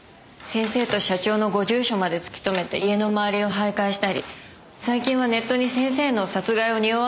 先生と社長のご住所まで突き止めて家の周りを徘徊したり最近はネットに先生の殺害を匂わすような文章まで書き込んでて。